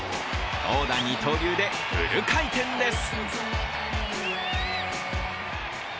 投打二刀流でフル回転です。